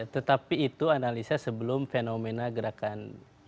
tetapi itu analisa sebelum fenomena gerakan dua ratus dua belas